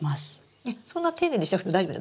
えっそんな丁寧にしなくても大丈夫です。